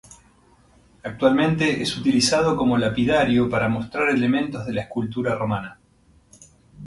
Actualmente es utilizado como lapidario para mostrar elementos de la escultura romana.